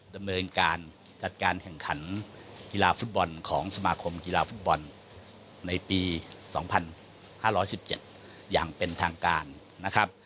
ดำเนินการจัดการแข่งขันกีฬาฟุตบอลของสมาคมกีฬาฟุตบอลในปี๒๕๑๗อย่างเป็นทางการนะครับ